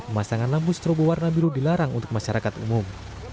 masangan lampu strobo warna biru dilarang untuk masyarakat umum